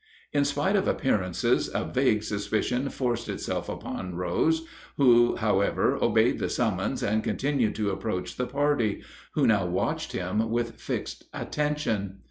In spite of appearances a vague suspicion forced itself upon Rose, who, however, obeyed the summons and continued to approach the party, who now watched him with fixed attention.